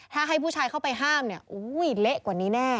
ถ้าให้ผู้ชายเข้าไปห้ามเนี่ยเละกว่านี้แน่